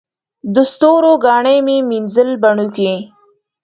د ستورو کاڼي مې مینځل بڼوکي